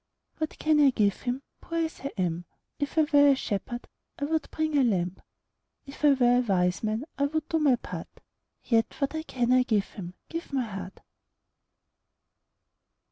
What can I give Him, Poor as I am? If I were a shepherd, I would bring a lamb; If I were a wise man, I would do my part: Yet what I can I give Him, Give my heart.